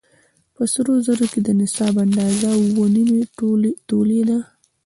په سرو زرو کې د نصاب اندازه اووه نيمې تولې ده